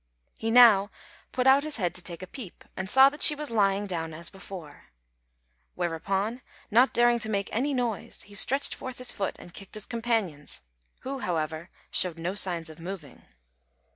He now put out his head to take a peep, and saw that she was lying down as before; whereupon, not daring to make any noise, he stretched forth his foot and kicked his companions, who, however, shewed no signs of moving.